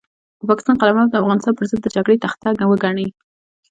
د پاکستان قلمرو د افغانستان پرضد د جګړې تخته وګڼي.